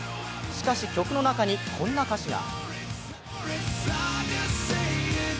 しかし、曲の中にこんな歌詞が。